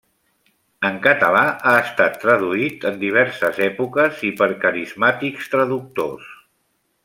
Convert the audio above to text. En català ha estat traduït en diverses èpoques i per carismàtics traductors.